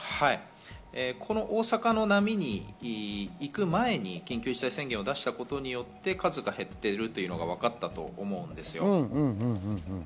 大阪の波に行く前に緊急事態宣言を出したことによって数が減っているということがわかったと思うんですよ。